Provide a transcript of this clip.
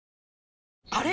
あれ？